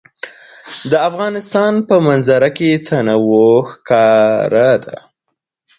د افغانستان په منظره کې تنوع ښکاره ده.